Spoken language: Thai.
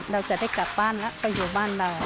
เราจะได้กลับบ้านแล้วไปอยู่บ้านเรา